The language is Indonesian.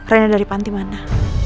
rena dari panti mana